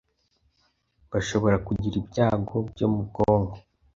bashobora kugira ibyago byo mu bwonko